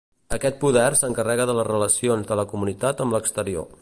Aquest poder s'encarrega de les relacions de la comunitat amb l'exterior.